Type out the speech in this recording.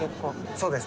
そうです